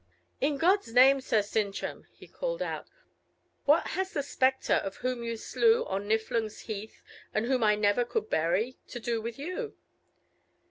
"In God's name, Sir Sintram," he called out, "what has the spectre of whom you slew on Niflung's Heath, and whom I never could bury, to do with you?"